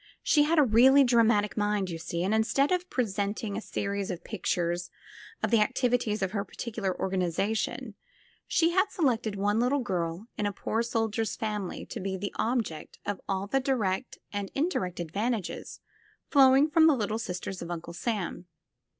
She had a really dram atic mind, you see, and instead of presenting a series of pictures of the activities of her particular organization, she had selected one little girl in a poor soldier's family to be the object of all the direct and indirect advantages flowing from the Little Sisters of Uncle Sam.